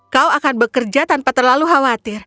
kau akan bekerja tanpa terlalu khawatir